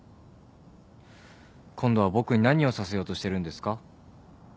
今度は僕に何をさせようとしてるんですか？